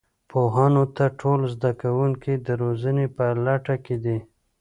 پوهانو ته ټول زده کوونکي د روزنې په لټه کې دي.